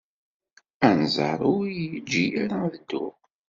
Anẓar ur iyi-yeǧǧi ara ad dduɣ.